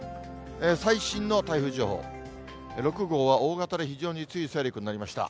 最新の台風情報、６号は大型で非常に強い勢力になりました。